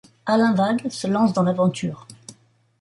Alain Vagh se lance dans l'aventure.